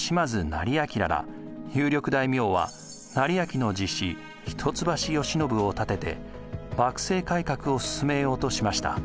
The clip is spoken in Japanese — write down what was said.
有力大名は斉昭の実子・一橋慶喜を立てて幕政改革を進めようとしました。